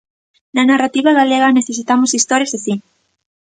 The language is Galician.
Na narrativa galega necesitamos historias así.